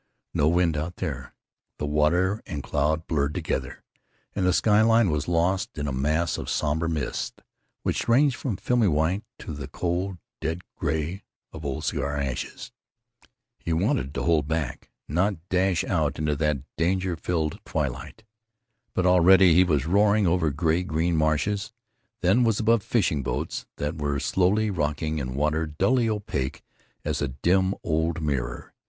No wind out there!... Water and cloud blurred together, and the sky line was lost in a mass of somber mist, which ranged from filmy white to the cold dead gray of old cigar ashes. He wanted to hold back, not dash out into that danger filled twilight. But already he was roaring over gray green marshes, then was above fishing boats that were slowly rocking in water dully opaque as a dim old mirror.